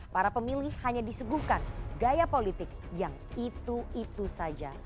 para pemilih hanya disuguhkan gaya politik yang itu itu saja